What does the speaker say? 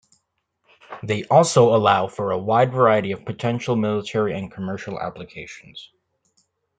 They also allow for a wide variety of potential military and commercial applications.